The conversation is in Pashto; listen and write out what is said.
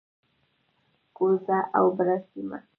کوزه او بره سیمه،